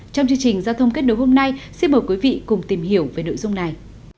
trong chương trình giao thông kết nối hôm nay xin mời quý vị cùng tìm hiểu về nội dung này